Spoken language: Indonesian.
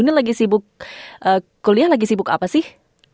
ini lagi sibuk kuliah lagi sibuk apa sih